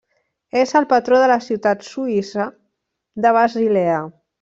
És el patró de la ciutat suïssa de Basilea.